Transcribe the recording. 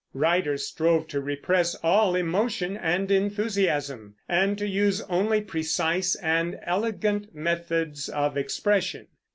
Writers strove to repress all emotion and enthusiasm, and to use only precise and elegant methods of expression.